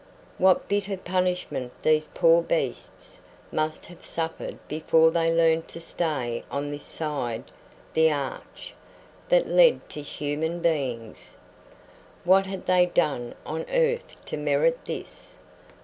What bitter punishment these poor beasts must have suffered before they learned to stay on this side the arch that led to human beings! What had they done on earth to merit this?